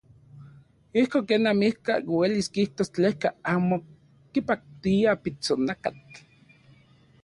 Ijkon ken amikaj uelis kijtos tleka amo kipaktia pitsonakatl.